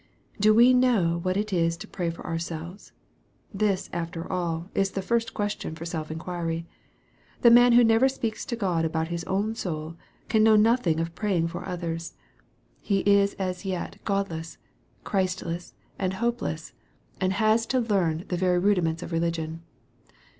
Do we know what it is to pray for ourselves ? This, after all, is the first question for self inquiry. The man who never speaks to God aboui his own soul, can know nothing of praying for others. He is as yet 148 EXPOSITORY THOUGHTS. Godless, Christless, and hopeless, and has to learn the very rudiments of religion.